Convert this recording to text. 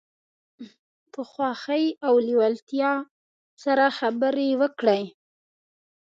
په خوښۍ او لیوالتیا سره خبرې وکړئ.